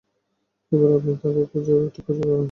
এবার আপনি তাকে ঠিক খুঁজে পাবেন।